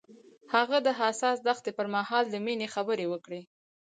هغه د حساس دښته پر مهال د مینې خبرې وکړې.